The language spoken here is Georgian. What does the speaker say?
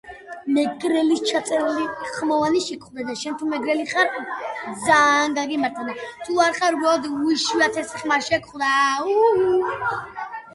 ეს გამოწვეული იყო ბიზანტიის ბიუჯეტის სიმყარით.